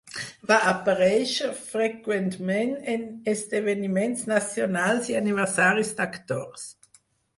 Va aparèixer freqüentment en esdeveniments nacionals i aniversaris d'actors.